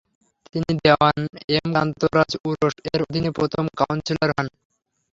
তিনি দেওয়ান এম কান্তরাজ উরস এর অধীনে প্রথম কাউন্সিলর হন।